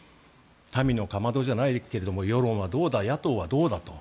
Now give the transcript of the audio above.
民のかまどじゃないけど世論はどうだ野党はどうだと。